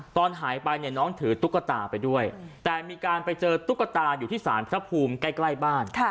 ตอนหายไปเนี่ยน้องถือตุ๊กตาไปด้วยแต่มีการไปเจอตุ๊กตาอยู่ที่สารพระภูมิใกล้บ้าน